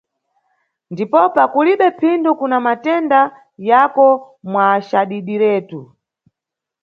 Ndipopa kulibe phindu kuna matenda yako mwa cadidiretu.